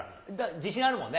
自信あるもんね。